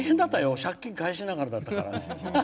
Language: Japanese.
借金返しながらだったから。